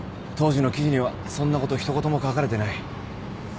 当時の記事にはそんなこと一言も書かれてない。